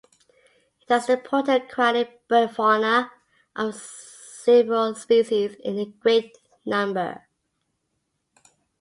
It has important aquatic bird fauna, of several species and in great number.